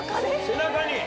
背中に。